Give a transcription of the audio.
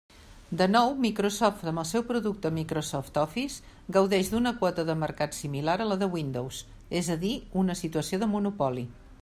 De nou, Microsoft, amb el seu producte Microsoft Office, gaudeix d'una quota de mercat similar a la de Windows, és a dir, una situació de monopoli.